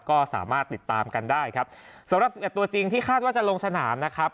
ก็สามารถติดตามกันได้ครับสำหรับสิบเอ็ดตัวจริงที่คาดว่าจะลงสนามนะครับ